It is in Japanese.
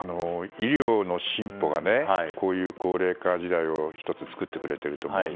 医療の進歩がこういう高齢化時代を１つ作ってくれていると思います。